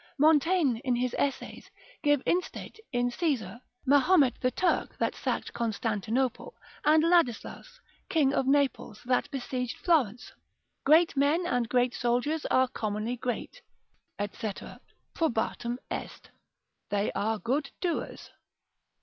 Montaigne, in his Essays, gives instate in Caesar, Mahomet the Turk, that sacked Constantinople, and Ladislaus, king of Naples, that besieged Florence: great men, and great soldiers, are commonly great, &c., probatum est, they are good doers.